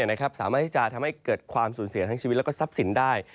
สามารถที่จะทำให้เกิดความสูญเสียทั้งชีวิตและทรัพย์สินได้